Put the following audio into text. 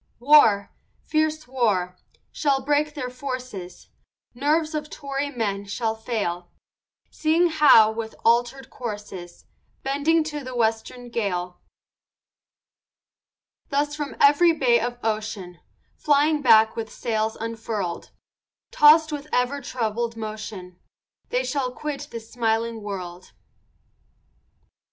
War, fierce war, shall break their forces, Nerves of Tory men shall fail, Seeing Howe, with alter'd courses, Bending to the western gale. Thus from every bay of ocean, Flying back with sails unfurl'd, Tossed with ever troubled motion, They shall quit this smiling world.